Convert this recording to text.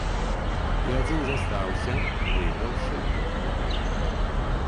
І адзін застаўся, выйграўшы гэтую вайну.